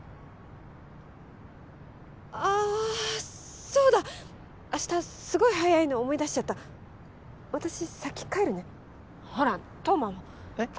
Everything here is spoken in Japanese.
あそうだ明日すごい早いの思い出しちゃった私先帰るねほら冬馬もえっ？